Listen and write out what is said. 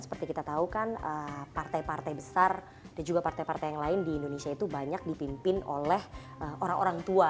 seperti kita tahu kan partai partai besar dan juga partai partai yang lain di indonesia itu banyak dipimpin oleh orang orang tua